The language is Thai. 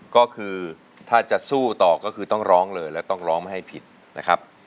ก็คือถ้าจะสู้ต่อก็คือต้องร้องเลยแล้วต้องร้องให้ผิดนะครับ